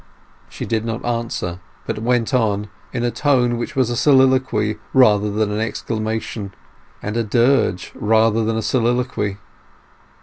She did not answer, but went on, in a tone which was a soliloquy rather than an exclamation, and a dirge rather than a soliloquy.